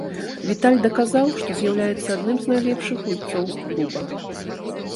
Віталь даказаў, што з'яўляецца адным з найлепшых гульцоў клуба.